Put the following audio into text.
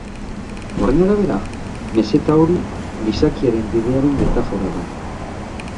Horren arabera, meseta hori gizakiaren bidearen metafora da.